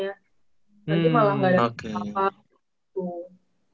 nanti malah gak ada apa apa